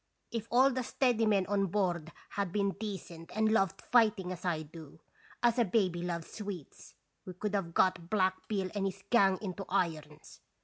If all the steady men on board had been decent and loved fighting as I do, as a baby loves sweets, we could have got Black Bill and his gang into irons.